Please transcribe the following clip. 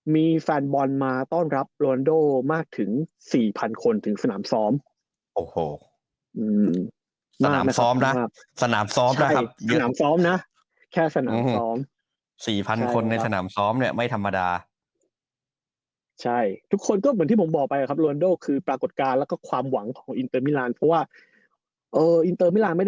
มีแฟนบอลมาต้อนรับโรนาโดมากถึง๔๐๐๐คนถึงสนามซ้อม